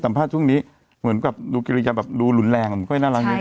สัมภาษณ์ช่วงนี้เหมือนกับดูกิริยาแบบดูหลุนแรงมันก็ให้น่ารักนิดนึง